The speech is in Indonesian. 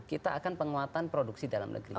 kita akan penguatan produksi dalam negeri